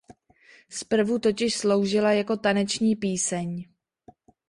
Zprvu totiž sloužila jako taneční píseň.